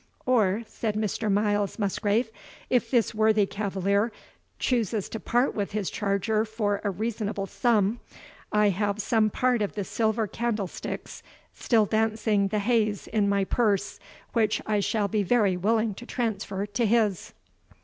"Or," said Sir Miles Musgrave, "if this worthy cavalier chooses to part with his charger for a reasonable sum, I have some part of the silver candlesticks still dancing the heys in my purse, which I shall be very willing to transfer to his."